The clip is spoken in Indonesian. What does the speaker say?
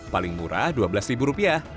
paling murah rp dua belas rupiah